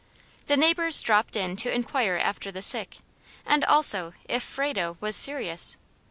The neighbors dropped in to inquire after the sick, and also if Frado was "SERIOUS?"